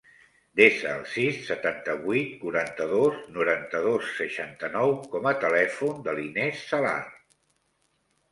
Desa el sis, setanta-vuit, quaranta-dos, noranta-dos, seixanta-nou com a telèfon de l'Inès Salar.